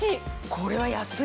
これは安いよ。